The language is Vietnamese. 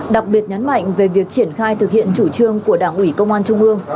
đặc biệt nhấn mạnh về việc triển khai thực hiện chủ trương của đảng ủy công an trung ương